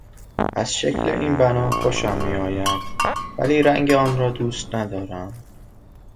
از شکل این بنا خوشم میآید ولی رنگ آن را دوست ندارم.